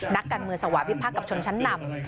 นักการมือสวัสดีภักดิ์กับชนชั้นนำ